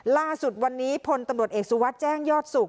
ล่าสุดวันนี้พลตำรวจเอกสุวัสดิ์แจ้งยอดสุข